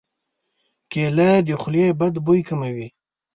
کېله د خولې بد بوی کموي.